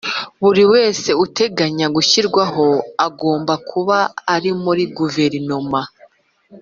buri wese uteganya gushyirwaho agomba kuba ari muri guverinoma